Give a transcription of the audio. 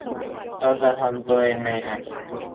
เราจะทำตัวไงอะ